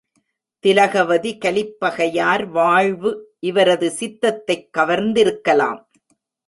திலகவதி கலிப்பகையார் வாழ்வு இவரது சித்தத்தைக் கவர்ந்திருக்கலாம்.